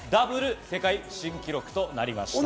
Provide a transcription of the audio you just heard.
ダブル世界新記録となりました。